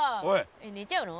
え寝ちゃうの？